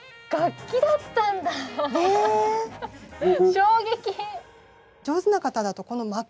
衝撃。